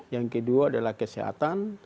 yang kedua adalah kesehatan